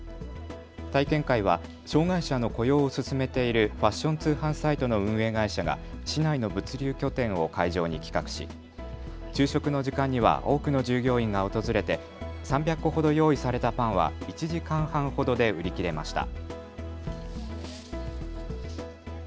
体験会は障害者の雇用を進めているファッション通販サイトの運営会社が市内の物流拠点を会場に企画し昼食の時間には多くの従業員が訪れて３００個ほど用意されたパンは１時間半ほどで売り切れました。